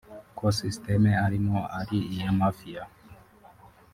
ko ‘system’ arimo ari iya ‘mafia’